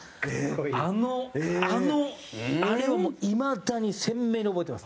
あの、あのあれは、もういまだに鮮明に覚えてます。